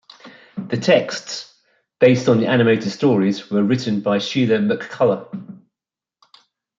The texts, based on the animated stories, were written by Sheila McCullagh.